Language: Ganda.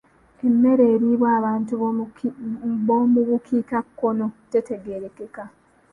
Emmere eriibwa abantu b'omu bukiikakkono tetegeerekeka.